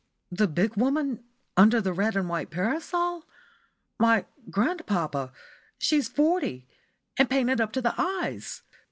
"The big woman under the red and white parasol? Why, grandpapa, she's forty, and painted up to the eyes!"